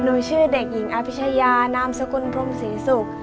ชื่อเด็กหญิงอภิชยานามสกุลพรมศรีศุกร์